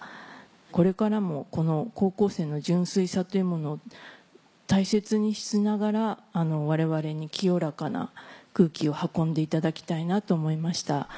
これからもこの高校生の純粋さっていうものを大切にしながら我々に清らかな空気を運んでいただきたいなと思いました。